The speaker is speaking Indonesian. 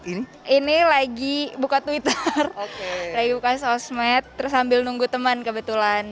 ini lagi buka twitter lagi buka sosmed terus sambil nunggu teman kebetulan